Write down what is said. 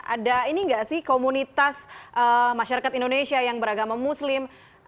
ada ini nggak sih komunitas masyarakat indonesia yang beragama muslim